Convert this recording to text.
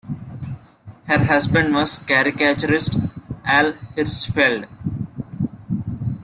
Her husband was caricaturist Al Hirschfeld.